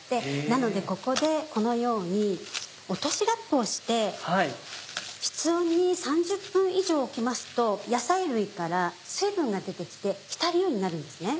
なのでここでこのように落としラップをして室温に３０分以上置きますと野菜類から水分が出て来て浸るようになるんですね。